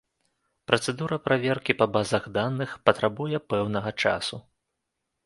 Працэдура праверкі па базах даных патрабуе пэўнага часу.